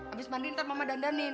abis mandi nanti mama dandanin